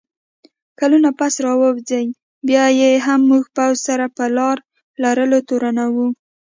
کلونه پس راووځي، بیا یې هم موږ پوځ سره په لار لرلو تورنوو